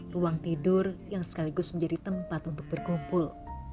ruang tidur yang sekaligus menjadi tempat untuk berkumpul